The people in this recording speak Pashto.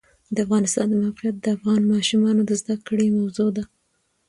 د افغانستان د موقعیت د افغان ماشومانو د زده کړې موضوع ده.